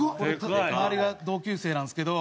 周りが同級生なんですけど。